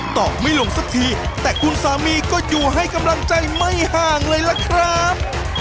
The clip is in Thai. อกไม่ลงสักทีแต่คุณสามีก็อยู่ให้กำลังใจไม่ห่างเลยล่ะครับ